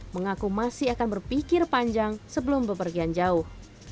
mengaku masih akan berpikir panjang sebelum bepergian jauh